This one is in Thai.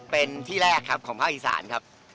เป็นที่แรกครับของภาคอีสานครับ